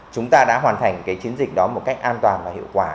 chúng ta đã hoàn thành cái chiến dịch đó một cách an toàn và hiệu quả